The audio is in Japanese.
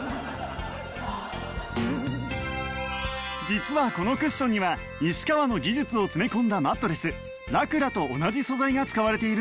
実はこのクッションには西川の技術を詰め込んだマットレスラクラと同じ素材が使われているんです